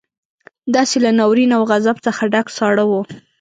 داسې له ناورين او غضب څخه ډک ساړه وو.